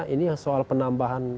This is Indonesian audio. ini soal penambahan